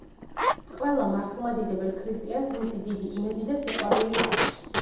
ყველა მართლმადიდებელ ქრისტიანს მისი დიდი იმედი და სიყვარული აქვს.